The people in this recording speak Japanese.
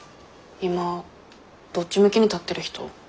今どっち向きに立ってる人？